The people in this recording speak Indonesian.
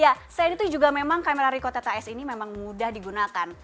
ya selain itu juga memang kamera reco teta s ini memang mudah digunakan